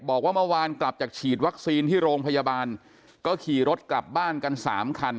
บอกว่าเมื่อวานกลับจากฉีดวัคซีนที่โรงพยาบาลก็ขี่รถกลับบ้านกันสามคัน